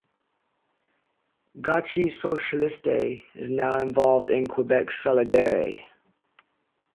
Gauche Socialiste is now involved in Quebec Solidaire.